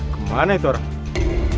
kemana itu orang